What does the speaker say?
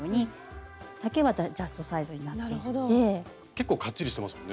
結構かっちりしてますよね。